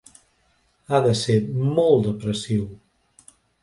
Ha de ser molt depressiu.